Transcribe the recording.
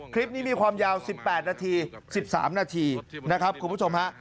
คลิปนี้มีความยาว๑๘นาที๑๓นาทีนะครับคุณผู้ชมฮะ